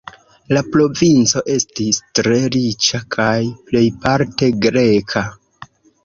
La provinco estis tre riĉa kaj plejparte greka.